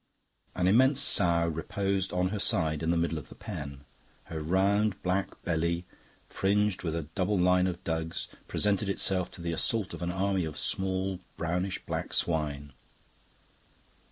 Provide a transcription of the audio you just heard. An immense sow reposed on her side in the middle of the pen. Her round, black belly, fringed with a double line of dugs, presented itself to the assault of an army of small, brownish black swine.